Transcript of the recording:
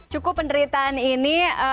cukup penderitaan ini